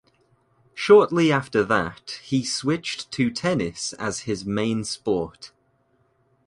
Shortly after that he switched to tennis as his main sport.